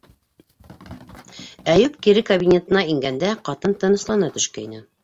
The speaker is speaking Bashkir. Әйүп кире кабинетына ингәндә, ҡатын тыныслана төшкәйне.